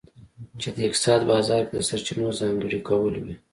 چې د اقتصاد بازار کې د سرچینو ځانګړي کول وي.